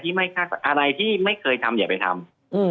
ก็คือว่าอะไรที่ไม่เคยทำอย่าไปทำ